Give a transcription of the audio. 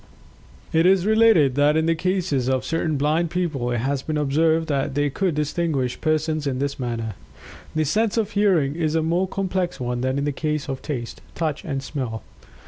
It is related that in the cases of certain blind people, it has been observed that they could distinguish persons in this manner. The sense of Hearing is a more complex one than in the case of Taste, Touch and Smell.